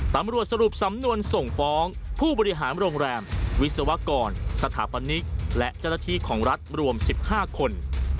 ตำรวจสรุปสำนวนส่งฟ้องผู้บริหารโรงแรมวิศวกรสถาปนิกและเจ้าหน้าที่ของรัฐรวม๑๕คน